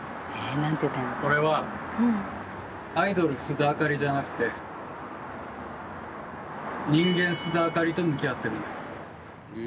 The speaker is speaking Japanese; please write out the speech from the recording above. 俺はアイドル、須田亜香里じゃなくて、人間、須田亜香里と向き合ってるんだよ。